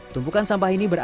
tumpukan sampah ini berarti